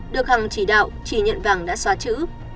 được hằng chỉ đạo chỉ nhận vàng đã xóa chữ